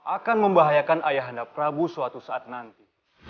akan membahayakan ayah anda prabu suatu saat nanti